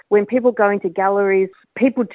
ketika orang orang pergi ke galeri